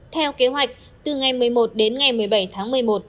theo kế hoạch từ ngày một mươi một đến ngày một mươi bảy tháng một mươi một